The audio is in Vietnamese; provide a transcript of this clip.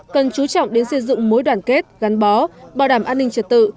cần chú trọng đến xây dựng mối đoàn kết gắn bó bảo đảm an ninh trật tự